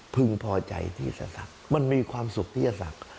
พอใจที่จะศักดิ์มันมีความสุขที่จะศักดิ์